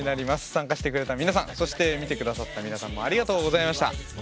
参加してくれた皆さんそして見て下さった皆さんもありがとうございました。